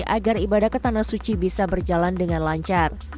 agar ibadah ke tanah suci bisa berjalan dengan lancar